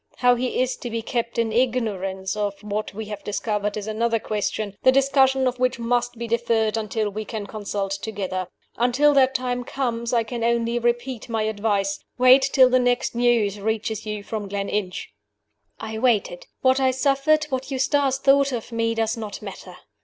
How he is to be kept in ignorance of what we have discovered is another question, the discussion of which must be deferred until we can consult together. Until that time comes, I can only repeat my advice wait till the next news reaches you from Gleninch." I waited. What I suffered, what Eustace thought of me, does not matter.